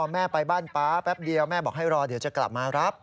แม่ไปบ้านป๊าแป๊บเดียวแม่บอกให้รอเดี๋ยวจะกลับมารับ